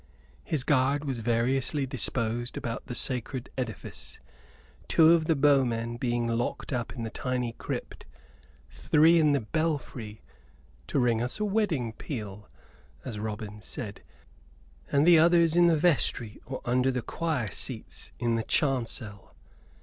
His guard was variously disposed about the sacred edifice: two of the bowmen being locked up in the tiny crypt; three in the belfry, "to ring us a wedding peal," as Robin said, and the others in the vestry or under the choir seats in the chancel.